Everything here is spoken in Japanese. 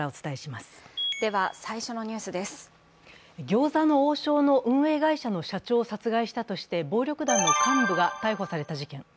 餃子の王将の運営会社の社長を殺害したとして暴力団の幹部が逮捕された事件。